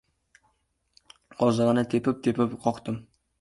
Qozig‘ini tepib-tepib qoqdim.